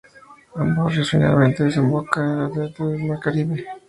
Ambos ríos, finalmente, desembocan en un delta en el Mar Caribe.